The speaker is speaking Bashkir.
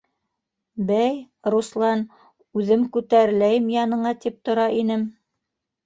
Бәй, Руслан, үҙем күтәреләйем яныңа, тип тора инем!